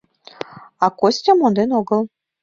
А Костя монден огыл.